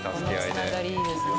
この繋がりいいですね。